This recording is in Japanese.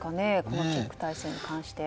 このチェック体制に関して。